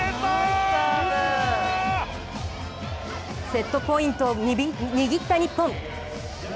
セットポイントを握った日本。